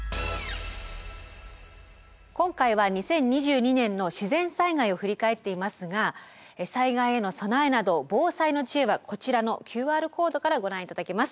今回は２０２２年の自然災害を振り返っていますが災害への備えなど防災の知恵はこちらのＱＲコードからご覧いただけます。